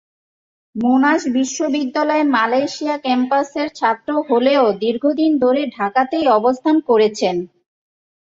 মোনাশ বিশ্ববিদ্যালয়ের মালয়েশিয়া ক্যাম্পাসের ছাত্র হলেও দীর্ঘদিন ধরে ঢাকাতেই অবস্থান করেছেন।